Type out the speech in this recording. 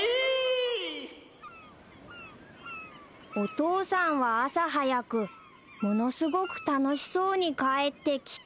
［お父さんは朝早くものすごく楽しそうに帰ってきた］